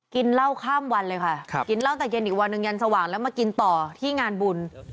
กินเหล้าข้ามวันเลยค่ะกินเหล้าแต่เย็นอีกวันหนึ่งยันสว่างแล้วมากินต่อที่งานบุญ